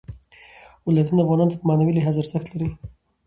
ولایتونه افغانانو ته په معنوي لحاظ ارزښت لري.